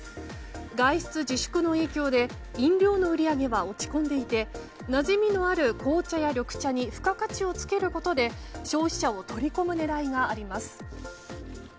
外出自粛の影響で飲料の売り上げが落ち込んでいてなじみのある紅茶や緑茶に付加価値をつけることで消費者を取り込む狙いがあります。